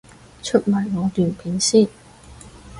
出埋我段片先